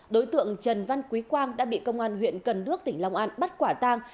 đối tượng trần văn quý quang đã bị công an huyện cần đước tỉnh long an bắt quả tang